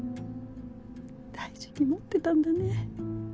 大事に持ってたんだねえ・